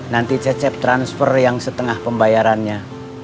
nanti cecep transfer yang setengah pembayarannya